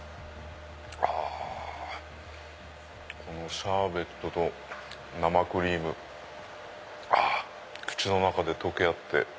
シャーベットと生クリーム口の中で溶け合って。